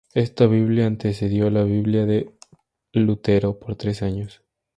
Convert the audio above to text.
Esta Biblia antecedió a la Biblia de Lutero por tres años.